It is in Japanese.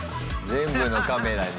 全部のカメラに。